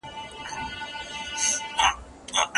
آیا غږ تر باد ګړندی دی؟